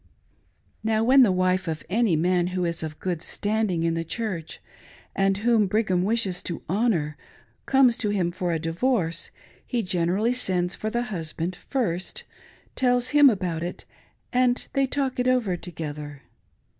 Now when the wife of any maji who is of good standing in THE "BILL OF DIVORCE": — FEE, TEN DOLLARS! 5^5 the Church, and whom Brigham wishes to honor, comes to him for a divorce, he generally sends for the husband first, tdls him about it, and they talk it over together.